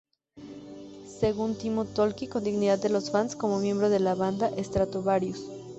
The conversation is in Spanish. Según Timo Tolkki, con dignidad de los fans como miembro de la banda Stratovarius.